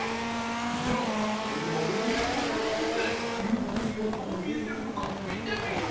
じゃこのまるみえそうがんきょうでユウくんにはどうみえてるのかみてみよう。